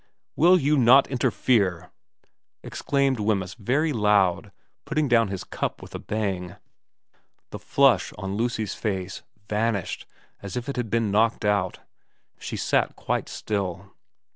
' Will you not interfere !* exclaimed Wemyss very loud, putting down his cup with a bang. The flush on Lucy's face vanished as if it had been knocked out. She sat quite still.